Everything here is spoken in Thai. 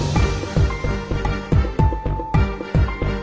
ส่วนดูเหรอ